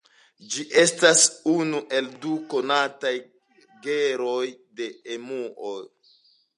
Ĝi estas unu el du konataj genroj de emuo.